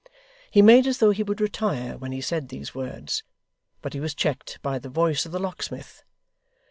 He made as though he would retire when he said these words, but he was checked by the voice of the locksmith.